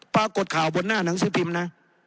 ปรากฏข่าวบนหน้าหนังสือพิมพ์นะ